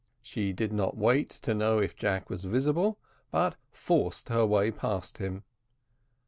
She did not wait to know if Jack was visible, but forced her way past him.